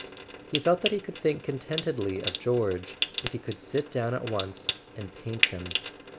He felt that he could think contentedly of George if he could sit down at once and paint him.